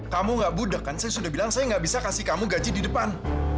kamu gak budak kan saya sudah bilang saya nggak bisa kasih kamu gaji di depan